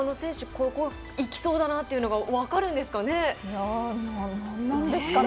ここいきそうだなというのが分かるんですかね。